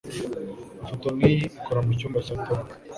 Ifoto nkiyi ikora mucyumba cya Tom?